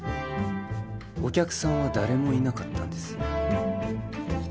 お客さんは誰もいなかったんです